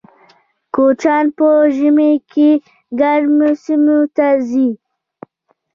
کوچیان په ژمي کې ګرمو سیمو ته ځي